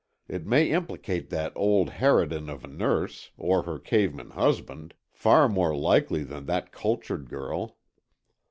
It may implicate that old harridan of a nurse or her caveman husband. Far more likely than that cultured girl!"